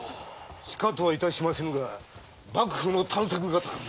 しかとはいたしませぬが幕府の探索方かも。